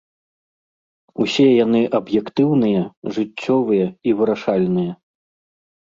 Усе яны аб'ектыўныя, жыццёвыя і вырашальныя.